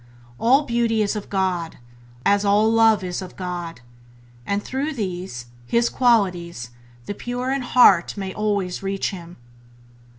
All Beauty is of God, as all Love is of God; and through these, His Qualities, the pure in heart may always reach him".